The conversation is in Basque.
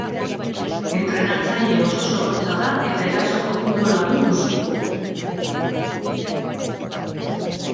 Entrenatzaile oso zorrotza da eta erasoko futbola du gustuko.